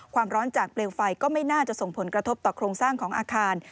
ความร้อนจากเปลวไฟก็ไม่น่าจะส่งผลกระทบต่อโครงสร้างของอาคาร